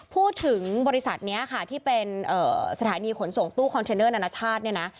พูดถึงบริษัทนี้ค่ะที่เป็นสถานีขนส่งตู้คอนเทนเนอร์นานาชาติเนี่ยนะ